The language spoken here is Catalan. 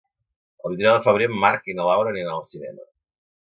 El vint-i-nou de febrer en Marc i na Laura aniran al cinema.